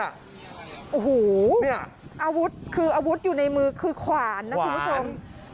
โอ้โหเนี่ยอาวุธคืออาวุธอยู่ในมือคือขวานนะคุณผู้ชม